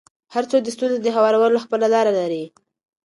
هر څوک د ستونزو د هوارولو خپله لاره لري.